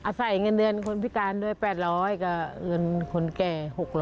ใส่เงินเดือนคนพิการด้วย๘๐๐กับเงินคนแก่๖๐๐